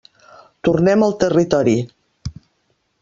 Tornem al territori.